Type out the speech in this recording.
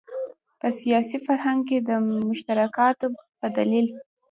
په سیاسي فرهنګ کې د مشترکاتو په دلیل.